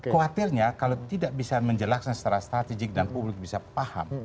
khawatirnya kalau tidak bisa menjelaskan secara strategik dan publik bisa paham